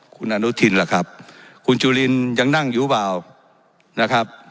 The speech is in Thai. คุณอนุทินล่ะครับคุณจุลินยังนั่งอยู่เปล่านะครับ